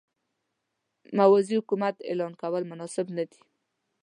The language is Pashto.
موازي حکومت اعلان کول مناسب نه دي.